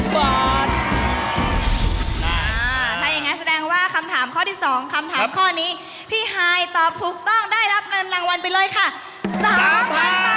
ถ้าอย่างนั้นแสดงว่าคำถามข้อที่๒คำถามข้อนี้พี่ฮายตอบถูกต้องได้รับเงินรางวัลไปเลยค่ะ๓๐๐๐บาท